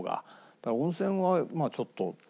だから温泉はまあちょっと。